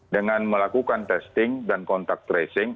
dengan melakukan testing dan kontak tracing